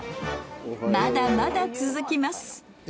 まだまだ続きます。